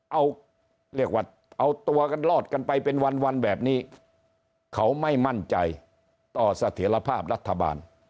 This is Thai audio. เอาเรียกว่าเอาตัวกันรอดกันไปเป็นวันแบบนี้เขาไม่มั่นใจต่อเสถียรภาพรัฐบาล